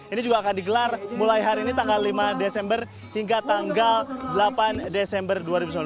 ini juga akan digelar mulai hari ini tanggal lima desember hingga tanggal delapan desember dua ribu sembilan belas